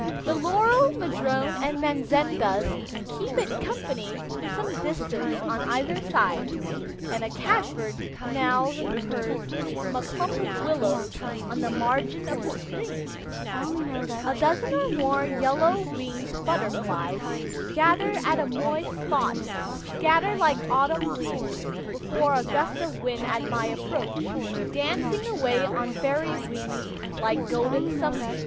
The laurel, madrone, and manzanitas keep it company for some distance on either side, and a catbird mews and purrs from a clump of willows on the margin of the stream. A dozen or more yellow winged butterflies gathered at a moist spot, scatter like autumn leaves before a gust of wind at my approach, dancing away on fairy wings like golden sunbeams.